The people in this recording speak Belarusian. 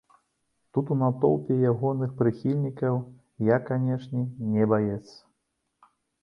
Тут, у натоўпе ягоных прыхільнікаў, я, канечне, не баец.